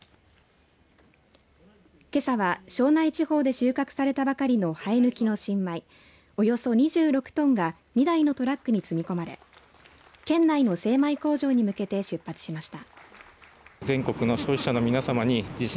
けさは庄内地方で収穫されたばかりの、はえぬきの新米およそ２６トンが２台のトラックに積み込まれ県内の精米工場に向けて出発しました。